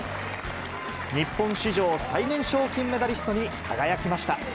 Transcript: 日本史上最年少金メダリストに輝きました。